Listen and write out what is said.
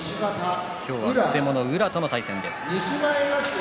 今日は、くせ者宇良との対戦です。